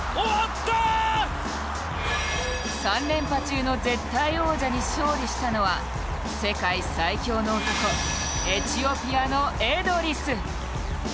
３連覇中の絶対王者に勝利したのは世界最強の男、エチオピアのエドリス。